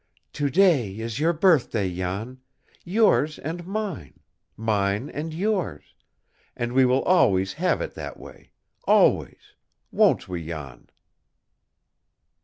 "To day is your birthday, Jan yours and mine, mine and yours and we will always have it that way always won't we, Jan?"